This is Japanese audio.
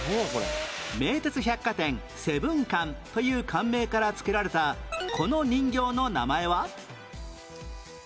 名鉄百貨店セブン館という館名からつけられたこの人形の名前は？